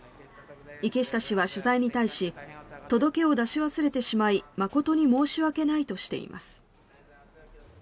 池下氏は取材に対し届を出し忘れてしまい誠に申し訳ないとしています。